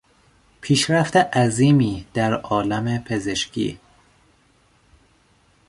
پیشرفت عظیمی در عالم پزشکی